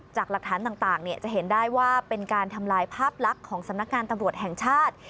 จะเห็นได้ว่าเป็นการทำร้ายภาพลักษณ์ของสำนักการตำรวจแห่งชาติ